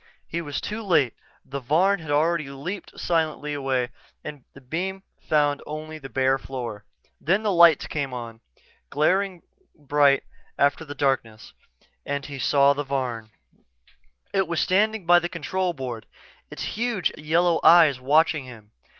He was too late the Varn had already leaped silently away and the beam found only the bare floor. Then the lights came on, glaringly bright after the darkness, and he saw the Varn. It was standing by the control board, its huge yellow eyes watching him.